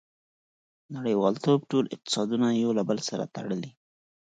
• نړیوالتوب ټول اقتصادونه یو له بل سره تړلي.